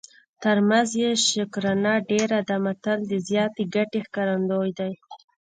تر مزد یې شکرانه ډېره ده متل د زیاتې ګټې ښکارندوی دی